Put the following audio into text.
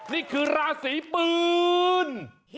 นี่คือราศีปืน